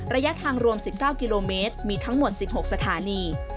ระยะทางรวม๑๙กิโลเมตรมีทั้งหมด๑๖สถานี